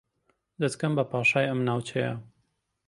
دەتکەم بە پاشای ئەم ناوچەیە